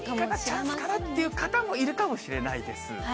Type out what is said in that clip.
チャンスかなっていう方もいるかもしれないです。